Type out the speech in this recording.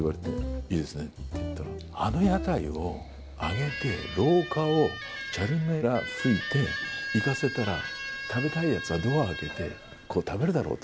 いいですねって言ったら、あの屋台を上げて、廊下をチャルメラついて、行かせたら、食べたいやつはドア開けて、食べるだろうと。